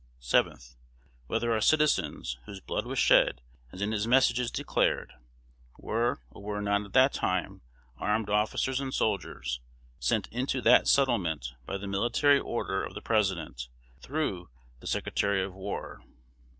7th. Whether our citizens, whose blood was shed, as in his Messages declared, were or were not at that time armed officers and soldiers, sent into that settlement by the military order of the President, through the Secretary of War.